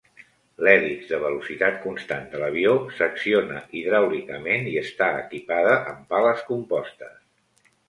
L'hèlix de velocitat constant de l'avió s'acciona hidràulicament i està equipada amb pales compostes.